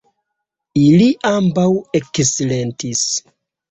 Ili ambaŭ eksilentis.